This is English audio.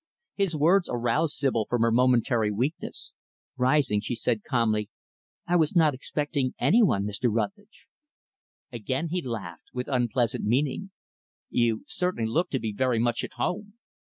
His words aroused Sibyl from her momentary weakness. Rising, she said calmly, "I was not expecting any one, Mr. Rutlidge." Again he laughed with unpleasant meaning. "You certainly look to be very much at home."